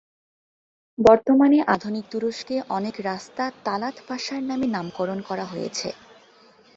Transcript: বর্তমানে আধুনিক তুরস্কে অনেক রাস্তা তালাত পাশার নামে নামকরণ করা হয়েছে।